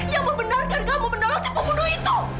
yang membenarkan kamu menolak si pembunuh itu